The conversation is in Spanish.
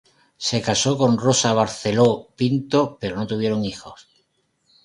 Se casó con Rosa Barceló Pinto pero no tuvieron hijos.